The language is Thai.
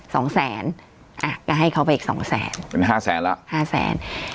สองแสนอ่ะก็ให้เขาไปอีกสองแสนเป็นห้าแสนแล้วห้าแสน